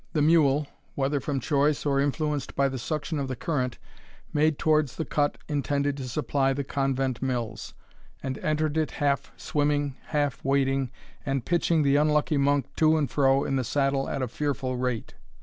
The mule, whether from choice, or influenced by the suction of the current, made towards the cut intended to supply the convent mills, and entered it half swimming half wading, and pitching the unlucky monk to and fro in the saddle at a fearful rate.